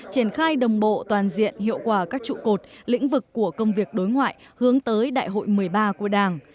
triển khai đồng bộ toàn diện hiệu quả các trụ cột lĩnh vực của công việc đối ngoại hướng tới đại hội một mươi ba của đảng